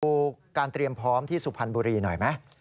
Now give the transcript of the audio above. ดูการเตรียมพร้อมที่สุพรรณบุรีหน่อยไหม